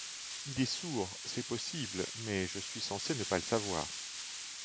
Il est sourd, c'est possible, mais je suis censé ne pas le savoir.